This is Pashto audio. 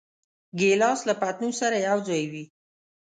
ګیلاس له پتنوس سره یوځای وي.